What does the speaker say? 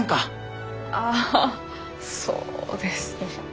ああそうですね。